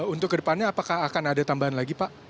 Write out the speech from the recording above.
untuk kedepannya apakah akan ada tambahan lagi pak